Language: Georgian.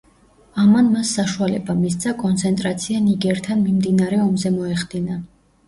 ამან მას საშუალება მისცა კონცენტრაცია ნიგერთან მიმდინარე ომზე მოეხდინა.